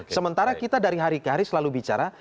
sementara kita dari hari ke hari selalu bicara